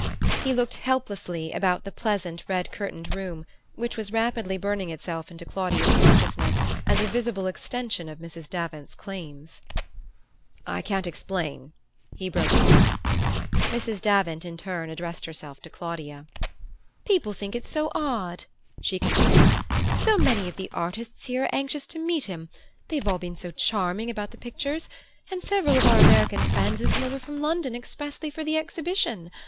He looked helplessly about the pleasant red curtained room, which was rapidly burning itself into Claudia's consciousness as a visible extension of Mrs. Davant's claims. "I can't explain," he broke off. Mrs. Davant in turn addressed herself to Claudia. "People think it's so odd," she complained. "So many of the artists here are anxious to meet him; they've all been so charming about the pictures; and several of our American friends have come over from London expressly for the exhibition.